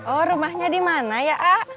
oh rumahnya dimana ya a'ah